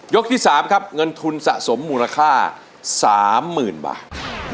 ที่๓ครับเงินทุนสะสมมูลค่า๓๐๐๐บาท